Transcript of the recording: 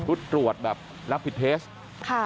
รับผิดทดตรวจค่ะ